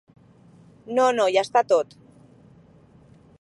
No no ja està tot.